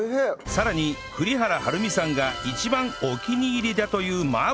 さらに栗原はるみさんが一番お気に入りだという麻婆豆腐も